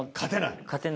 勝てない？